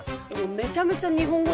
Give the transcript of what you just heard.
めちゃめちゃ日本語ですね